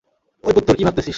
ঐ পুত্তর, কি ভাবতেছিস?